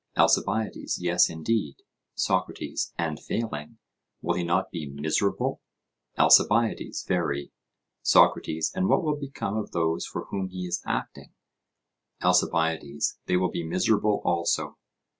ALCIBIADES: Yes, indeed. SOCRATES: And failing, will he not be miserable? ALCIBIADES: Very. SOCRATES: And what will become of those for whom he is acting? ALCIBIADES: They will be miserable also.